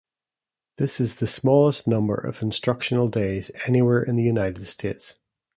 This is the smallest number of instructional days anywhere in the United States.